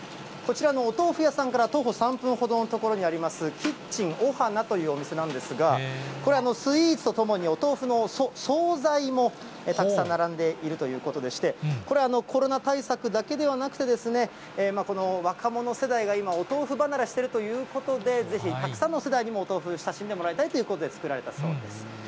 こちらのお豆腐屋さんから徒歩３分ほどの所にあります、キッチンオハナというお店なんですが、これ、スイーツとともにお豆腐の総菜もたくさん並んでいるということでして、これ、コロナ対策だけではなくて、若者世代が今、お豆腐離れしているということで、ぜひたくさんの世代にもお豆腐、親しんでもらいたいということで、作られたそうです。